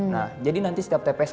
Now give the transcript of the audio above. nah jadi nanti setiap tps